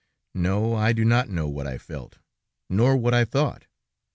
No, I do not know what I felt, nor what I thought.